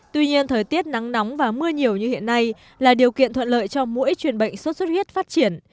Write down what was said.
tuy nhiên thời tiết nắng nóng và mưa nhiều như hiện nay là điều kiện thuận lợi cho mỗi truyền bệnh sốt xuất huyết phát triển